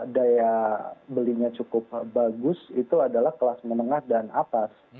daya belinya cukup bagus itu adalah kelas menengah dan atas